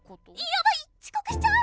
やばいちこくしちゃう！